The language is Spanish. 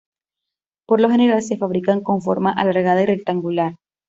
Por lo general se fabrican con forma alargada y rectangular.